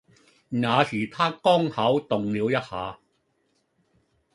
那時她剛巧動了一下